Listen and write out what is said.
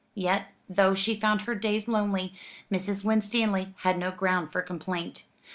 Yet, though she found her days lonely, Mrs. Winstanley had no ground for complaint.